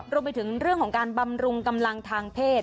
รวมไปถึงเรื่องของการบำรุงกำลังทางเพศ